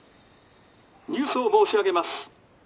「ニュースを申し上げます。